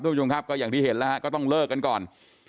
ทุกคนค่ะก็อย่างที่เห็นแล้วก็ต้องเลิกกันก่อน